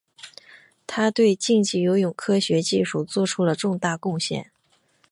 他对竞技游泳科学技术做出了重大贡献。